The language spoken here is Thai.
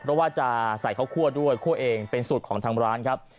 เพราะว่าจะใส่ข้าวคั่วด้วยคั่วเองเป็นสูตรของทางร้านครับ